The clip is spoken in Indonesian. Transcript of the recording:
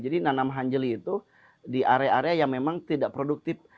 jadi menanam anjali itu di area area yang memang tidak produktif